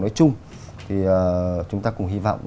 nói chung thì chúng ta cũng hy vọng